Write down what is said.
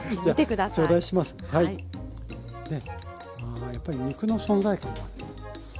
あやっぱり肉の存在感が。